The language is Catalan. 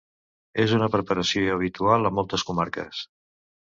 És una preparació habitual a moltes comarques.